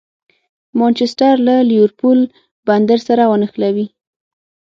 مانچسټر له لېورپول بندر سره ونښلوي.